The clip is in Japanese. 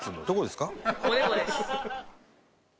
どこですか？